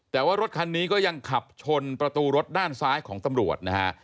แต่ว่ารถคันนี้ก็ยังขับชนประตูรถด้านซ้ายของตำรวจนะฮะ